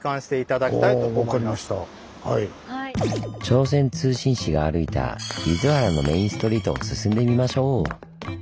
朝鮮通信使が歩いた厳原のメインストリートを進んでみましょう！